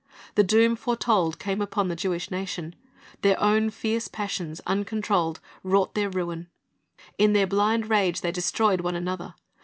The doom foretold came upon the Jewish nation. Their own fierce passions, uncontrolled, wrought their ruin. In their blind rage they destroyed one another.